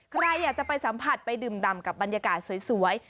ใครอยากจะไปสัมผัสไปดื่มดำกับบรรยากาศสวย